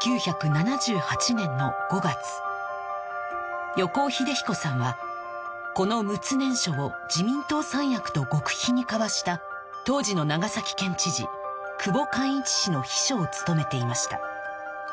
１９７８年の５月横尾英彦さんはこの「むつ念書」を自民党三役と極秘に交わした当時の長崎県知事久保勘一氏の秘書を務めていました